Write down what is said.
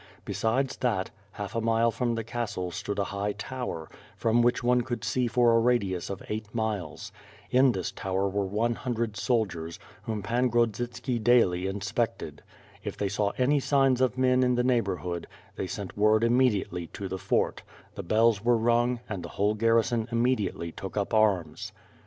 Besides that, half a mile from the castle stood a high tower, from which one could see for a radius of eight miles. In this tower, were one hundred soldiers, whom Pan Grodzitski daily inspected. If they saw any sign of men in the neighborhood, thy sent word immediately to the fort; the bells were rung and the whole garrison immediately took up arms.